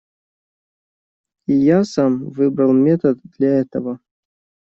И я сам выбрал метод для этого.